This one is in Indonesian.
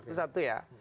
itu satu ya